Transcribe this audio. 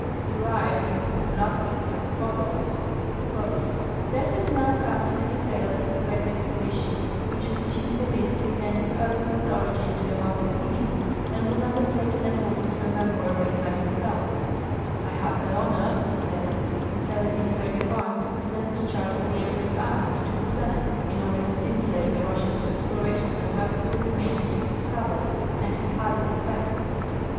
He writes in " Une Lettre " as follows :" Let us now come to the details of the second expedition, which M. de risle pretends owes its origin to a map of his and was undertalcen accord ing to a memoir made by himself. ' I had the honor,' he says, ' in 1731 to present this chart to the Empress Anne and to the Senate, in order to stimulate the Eussians to explorations of what still remained to be dis covered, and it had its effect.'